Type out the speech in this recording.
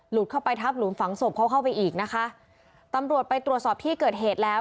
เข้าไปทับหลุมฝังศพเขาเข้าไปอีกนะคะตำรวจไปตรวจสอบที่เกิดเหตุแล้ว